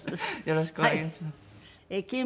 よろしくお願いします。